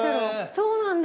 そうなんだ！